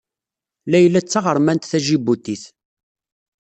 Layla d taɣermant taǧibutit.